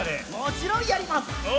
もちろんやります！